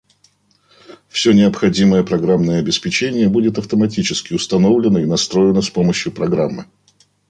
Все необходимое программное обеспечение будет автоматически установлено и настроено с помощью программы